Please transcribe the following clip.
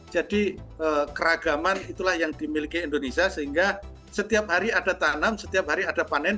jadi keragaman itulah yang dimiliki indonesia sehingga setiap hari ada tanam setiap hari ada panen